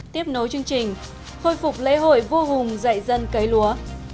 tiếp nối chương trình khôi phục lễ hội vô hùng dạy dân cấy lúa